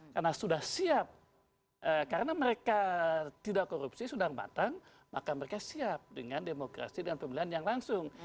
karena sudah siap karena mereka tidak korupsi sudah matang maka mereka siap dengan demokrasi dan pemilihan yang langsung